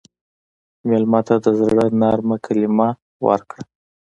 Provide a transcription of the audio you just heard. مېلمه ته د زړه نرمه کلمه ورکړه.